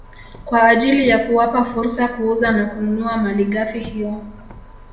Kwa ajili ya kuwapa fursa kuuza na kununua malighafi hiyo